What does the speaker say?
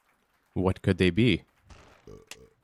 What could they be?